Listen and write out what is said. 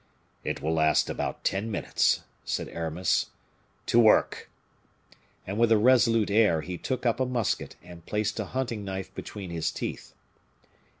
"It will last about ten minutes," said Aramis. "To work!" And with a resolute air he took up a musket, and placed a hunting knife between his teeth.